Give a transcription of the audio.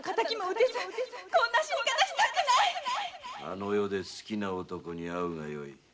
あの世で好きな男に会うがよい。